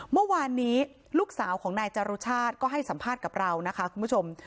เมื่อวานนี้ลูกสาวของนายจรุชาติก็ให้สัมภาษณ์กับเรานะคะคุณผู้ชม